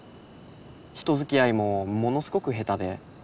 人づきあいもものすごく下手で。